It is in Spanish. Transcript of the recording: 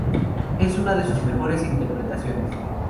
Es una de sus mejores interpretaciones.